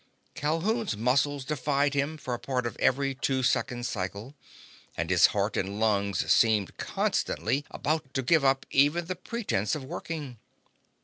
Calhoun's muscles defied him for part of every two second cycle, and his heart and lungs seemed constantly about to give up even the pretense of working.